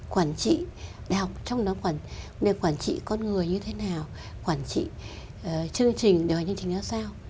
quản trị trong đó quản trị con người như thế nào quản trị chương trình điều hành chương trình nó sao